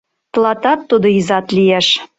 Тылатат тудо изат лиеш.